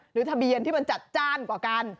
ทะเบียนที่มันจัดจ้านกว่ากัน